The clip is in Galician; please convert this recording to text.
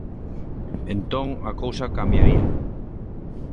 Entón, a cousa cambiaría.